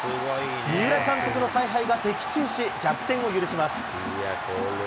三浦監督の采配が的中し、逆転を許します。